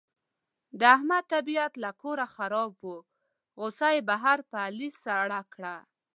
د احمد طبیعت له کوره خراب و، غوسه یې بهر په علي سړه کړه.